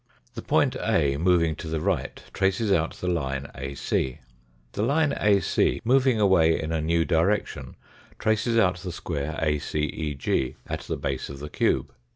The point A, moving to the right, traces out the line AC. The line AC, moving away in a new direction, traces out the square ACEG at the base of the cube.